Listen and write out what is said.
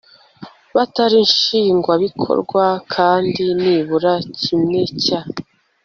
batari nshingwabikorwa kandi nibura kimwe cya